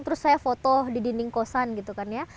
terus saya foto di dinding kosan gitu kan ya